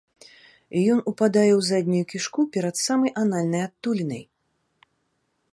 Ён упадае ў заднюю кішку перад самай анальнай адтулінай.